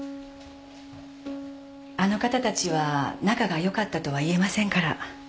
あの方たちは仲が良かったとは言えませんから。